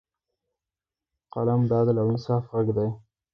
قلم د عدل او انصاف غږ دی